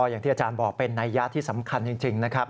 อย่างที่อาจารย์บอกเป็นนัยยะที่สำคัญจริงนะครับ